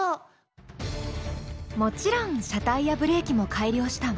もちろん車体やブレーキも改良したわ。